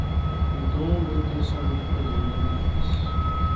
Des tombes étaient sans doute présentes dans l'édifice.